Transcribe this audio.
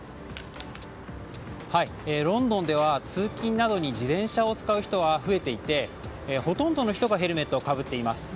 ロンドンでは通勤などに自転車を使う人は増えていてほとんどの人がヘルメットをかぶっています。